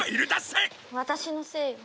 私のせいよ。